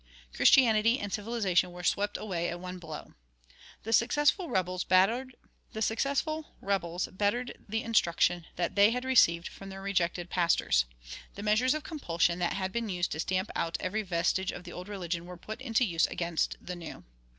Christianity and civilization were swept away at one blow." The successful rebels bettered the instruction that they had received from their rejected pastors. The measures of compulsion that had been used to stamp out every vestige of the old religion were put into use against the new.